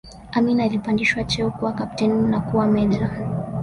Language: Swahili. Amin alipandishwa cheo kuwa kapteni na kuwa meja